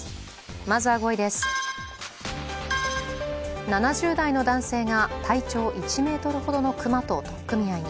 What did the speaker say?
まずは５位です、７０代の男性が体長１ｍほどの熊と取っ組み合いに。